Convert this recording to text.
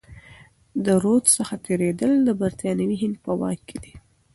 د رود څخه تیریدل د برتانوي هند په واک کي دي.